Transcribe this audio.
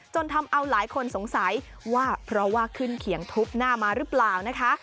ทำเอาหลายคนสงสัยว่าเพราะว่าขึ้นเขียงทุบหน้ามาหรือเปล่านะคะ